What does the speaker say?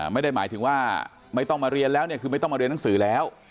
ไม่ได้หมายถึงว่าไม่ต้องมาเรียนแล้วเนี่ยคือไม่ต้องมาเรียนหนังสือแล้ว